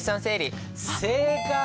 正解！